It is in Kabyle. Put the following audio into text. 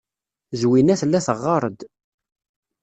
Zwina tella teɣɣar-d.